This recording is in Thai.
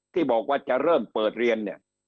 ที่บอกว่าจะเริ่มเปิดเรียนเนี่ย